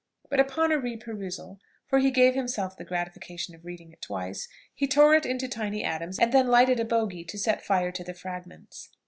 But upon a re perusal, for he gave himself the gratification of reading it twice, he tore it into tiny atoms, and then lighted a bougie to set fire to the fragments.